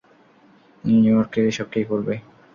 নিউইয়র্কে এসব কে করবে?